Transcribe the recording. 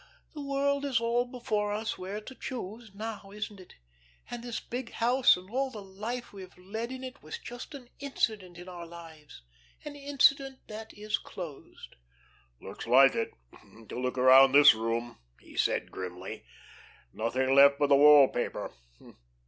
'The world is all before us where to choose,' now, isn't it? And this big house and all the life we have led in it was just an incident in our lives an incident that is closed." "Looks like it, to look around this room," he said, grimly. "Nothing left but the wall paper.